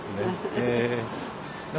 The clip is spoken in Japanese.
へえ。